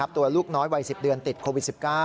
ตัวลูกน้อยวัย๑๐เดือนติดโควิด๑๙